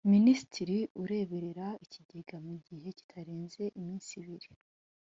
Minisitiri ureberera Ikigega mu gihe kitarenze iminsi ibiri